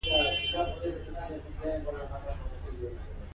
سيراټونين چې کم شي نو د انسان موډ خراب شي